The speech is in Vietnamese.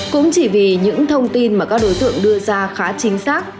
cũng chỉ vì những thông tin mà các đối tượng đưa ra khá chính xác